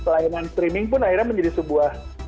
pelayanan streaming pun akhirnya menjadi sebuah